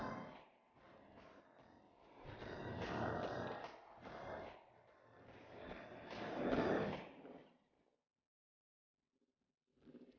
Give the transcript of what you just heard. kayaknya benim menggunakan sistem level keliatan cemerum